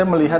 dan ibu elsa